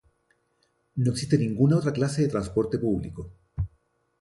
No existe ninguna otra clase de transporte público.